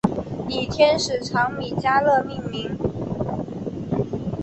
以天使长米迦勒命名。